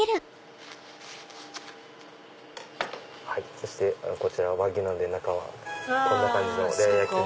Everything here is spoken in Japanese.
そしてこちらは和牛なのでこんな感じのレア焼き。